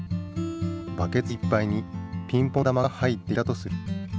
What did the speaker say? バケツいっぱいにピンポン球が入っていたとする。